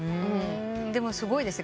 でもすごいですね。